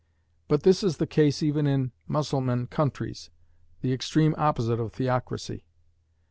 But this is the case even in Mussulman countries, the extreme opposite of theocracy.